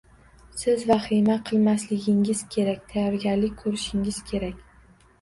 Siz vahima qilmasligingiz kerak, tayyorgarlik ko'rishingiz kerak